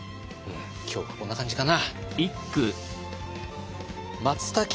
今日はこんな感じかな。